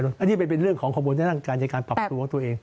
อันนี้เป็นเรื่องของฮอร์โมนร่างกายในการปรับตัวตัวเอง